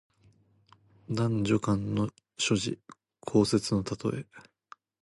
男女間の情事、交接のたとえ。